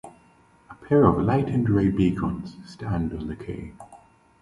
A pair of lighted range beacons stand on the cay.